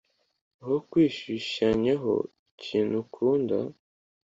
Aho kwishushanyaho ikintu ukunda